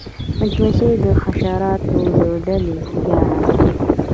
مچمچۍ د حشراتو له ډلې هوښیاره ده